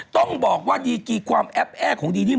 ต้องบอกว่าดีกีความแอปแอ้ของดีนี่